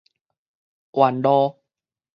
繞道